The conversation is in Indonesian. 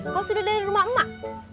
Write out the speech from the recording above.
kau sudah dari rumah emak